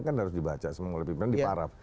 kan harus dibaca semua pimpinan diparaf